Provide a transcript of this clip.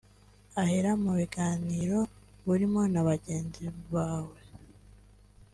ahera mu biganiro urimo na bagenzi bawe